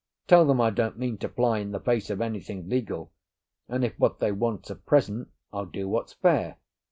Tell them I don't mean to fly in the face of anything legal; and if what they want's a present, I'll do what's fair.